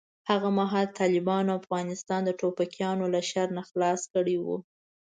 هغه مهال طالبانو افغانستان د ټوپکیانو له شر نه خلاص کړی و.